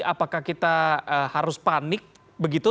apakah kita harus panik begitu